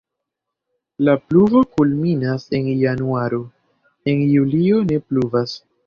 La pluvo kulminas en januaro, en julio ne pluvas.